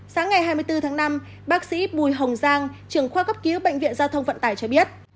sáng ngày hai mươi bốn tháng năm bác sĩ bùi hồng giang trưởng khoa cấp cứu bệnh viện giao thông vận tải cho biết